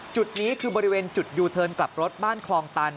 จุดนี้คือบริเวณจุดยูเทิร์นกลับรถบ้านคลองตัน